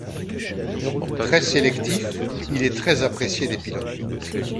Très sélectif, il est très apprécié des pilotes.